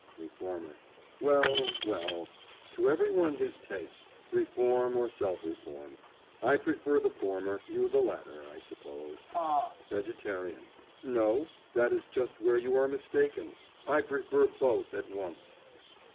REFORMER: Well, well; to everyone his taste—reform or self reform. I prefer the former; you the latter, I suppose. VEGETARIAN: No; that is just where you are mistaken. I prefer both at once.